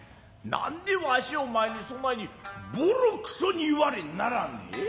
何でわしお前にそないにぼろくそに言われんならんねん。